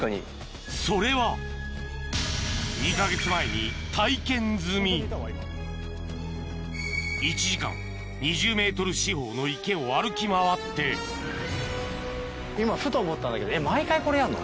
それは２か月前に体験済み１時間２０ｍ四方の池を歩き回って今ふと思ったんだけど毎回これやんの？